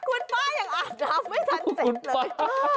คุณป้ายังอาบน้ำไม่ทันเจ็บ